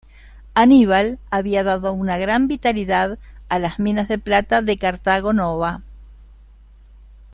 Aníbal había dado una gran vitalidad a las minas de plata de Carthago Nova.